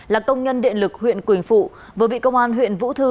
là công nhân điện lực huyện quỳnh phụ vừa bị công an huyện vũ thư